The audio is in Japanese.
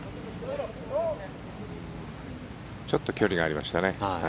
ちょっと距離がありましたね。